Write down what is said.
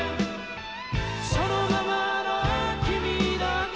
「そのままの君だけ」